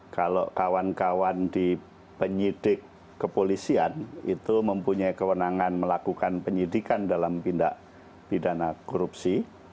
kalau kawan kawan di penyidik kepolisian itu mempunyai kewenangan melakukan penyidikan dalam tindak pidana korupsi